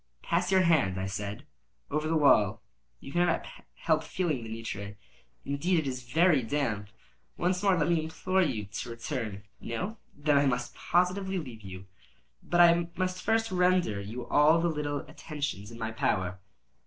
"Pass your hand," I said, "over the wall; you cannot help feeling the nitre. Indeed it is very damp. Once more let me implore you to return. No? Then I must positively leave you. But I must first render you all the little attentions in my power."